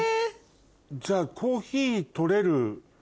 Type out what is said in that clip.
じゃあコーヒー取れる。